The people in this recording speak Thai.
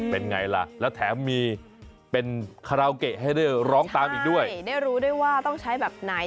เป็นไงล่ะแล้วแถมมีเป็นคาราโอเกะให้ได้ร้องตามอีกด้วยได้รู้ด้วยว่าต้องใช้แบบไหน